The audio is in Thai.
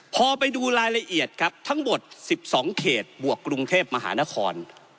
พอไปดูรายละเอียดครับทั้งหมด๑๒เขตบวกกรุงเทพมหานคร